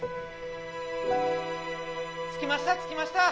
・着きました